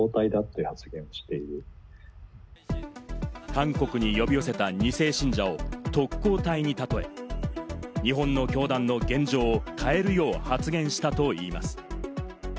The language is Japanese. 韓国に呼び寄せた２世信者を特攻隊にたとえ、日本の教団の現状を変えるよう発言したといいます。